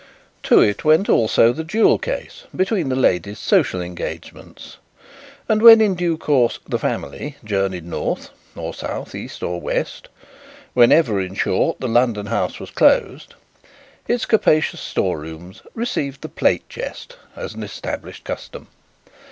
To it went also the jewel case between the lady's social engagements, and when in due course "the family" journeyed north or south, east or west whenever, in short, the London house was closed, its capacious storerooms received the plate chest as an established custom.